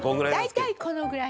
「大体このぐらい」